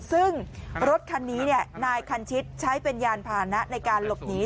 ซึ่งรถคันนี้นายคันชิตใช้เป็นยานพานะในการหลบหนี